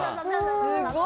すごい。